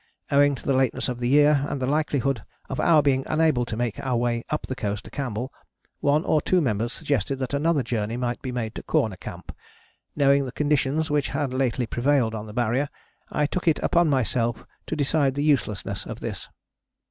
Owing to the lateness of the year, and the likelihood of our being unable to make our way up the coast to Campbell, one or two members suggested that another journey might be made to Corner Camp. Knowing the conditions which had lately prevailed on the Barrier, I took it upon myself to decide the uselessness of this."